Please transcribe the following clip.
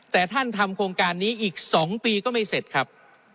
แต่ท่านทำโครงการนี้อีก๒ปีก็ไม่เสร็จครับ